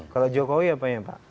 kalau jokowi apanya pak